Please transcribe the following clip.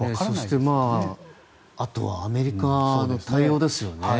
そしてあとはアメリカの対応ですね。